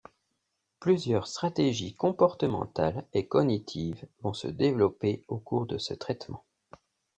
Plusieurs stratégies comportementales et cognitives vont se développer au cours de ce traitement.